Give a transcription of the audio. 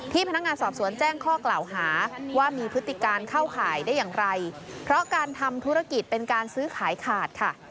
พนักงานสอบสวนแจ้งข้อกล่าวหาว่ามีพฤติการเข้าข่ายได้อย่างไรเพราะการทำธุรกิจเป็นการซื้อขายขาดค่ะ